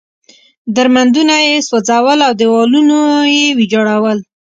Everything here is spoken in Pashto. درمندونه یې سوځول او دېوالونه یې ویجاړول.